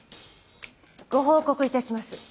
ご報告いたします。